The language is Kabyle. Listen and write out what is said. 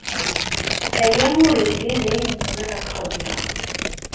Aya ur yelli d ayen nwiɣ ad t-xedmeɣ.